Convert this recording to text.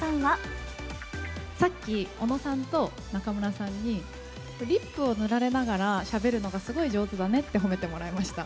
さっき、尾野さんと中村さんに、リップを塗られながらしゃべるのがすごい上手だねって褒めてもらいました。